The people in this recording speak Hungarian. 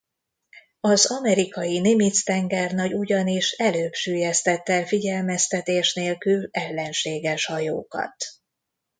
Az amerikai Nimitz tengernagy ugyanis előbb süllyesztett el figyelmeztetés nélkül ellenséges hajókat.